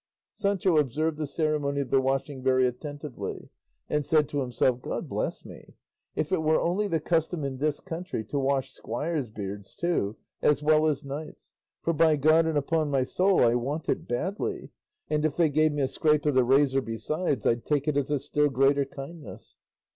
Sancho observed the ceremony of the washing very attentively, and said to himself, "God bless me, if it were only the custom in this country to wash squires' beards too as well as knights'. For by God and upon my soul I want it badly; and if they gave me a scrape of the razor besides I'd take it as a still greater kindness."